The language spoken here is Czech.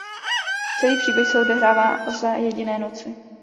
Celý příběh se odehrává za jediné noci.